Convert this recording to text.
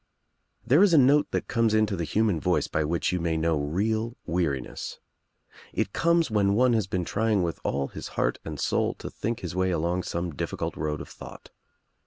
There is a note that comes into the human voice by which you may know real weariness. It comes when one has been trying with all his heart and soul to think his way along some difficult road of thought.